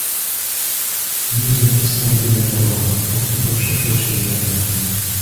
Юзьо став біля порога, похнюпивши очі в землю.